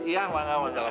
iya walaikum salam